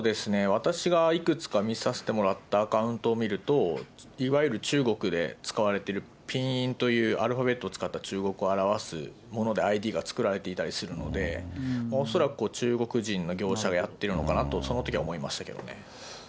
私がいくつか見させてもらったアカウントを見ると、いわゆる中国で使われているピンインというアルファベットを使った中国語を表すものでＩＤが作られていたりするので、恐らく中国人の業者がやってるのかなと、そのときは思いましたけどね。